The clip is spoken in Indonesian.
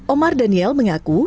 omar daniel mengaku